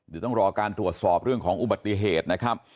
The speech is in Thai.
เดี๋ยวต้องรอการตรวจสอบเรื่องของอุบัติเหตุนะครับ